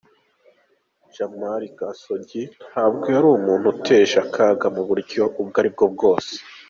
"Jamal Khashoggi ntabwo yari umuntu uteje akaga mu buryo ubwo ari bwo bwose.